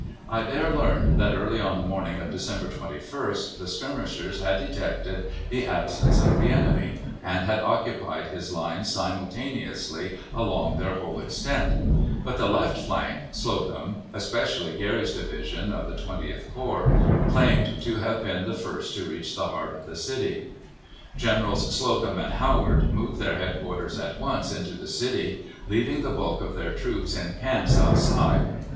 I there learned that, early on the morning of December 21st, the skirmishers had detected the absence of the enemy, and had occupied his lines simultaneously along their whole extent; but the left flank (Slocum), especially Geary's division of the Twentieth Corps, claimed to have been the first to reach the heart of the city. Generals Slocum and Howard moved their headquarters at once into the city, leaving the bulk of their troops in camps outside.